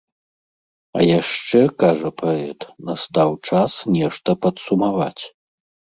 А яшчэ, кажа паэт, настаў час нешта падсумаваць.